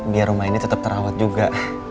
biar rumah ini tetap terawat juga